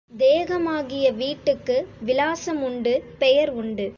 தேகமாகிய வீட்டுக்கு விலாசம் உண்டு பெயர் உண்டு.